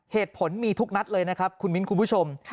เหตุผลมีทุกนัดเลยนะครับคุณมิ้นคุณผู้ชม